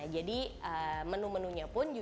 jadi menu menunya pun